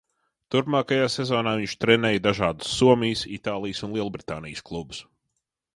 Turpmākajā sezonā viņš trenēja dažādus Somijas, Itālijas un Lielbritānijas klubus.